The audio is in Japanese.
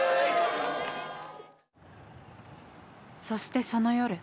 そしてその夜。